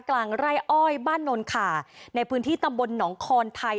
กลางไร่อ้อยบ้านโนนขาในพื้นที่ตำบลหนองคอนไทย